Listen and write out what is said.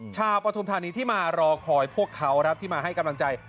ปฐุมธานีที่มารอคอยพวกเขาครับที่มาให้กำลังใจ